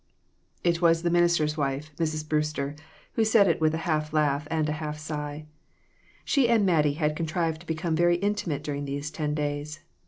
" It was the minister's wife, Mrs. Brewster, who said it with a half laugh and a half sigh. She and Mattie had contrived to become very inti mate during these ten days.